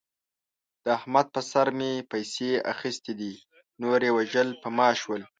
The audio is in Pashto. د احمد په سر مې پیسې اخستې دي. نور یې وژل په ما شول.